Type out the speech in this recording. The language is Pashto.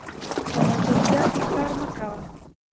په ناجوړتيا کې کار مه کوه